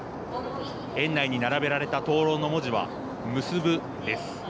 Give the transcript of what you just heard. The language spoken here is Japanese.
園内に並べられた灯籠の文字はむすぶです。